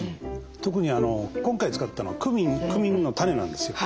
特に今回使ったのはクミンの種なんですよ。